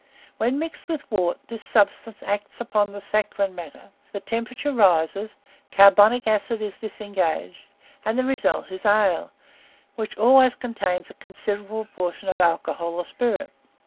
When mixed with wort, this substance acts upon the saccharine matter; the temperature rises, carbonic acid is disengaged, and the result is ale, which always contains a considerable proportion of alcohol, or spirit.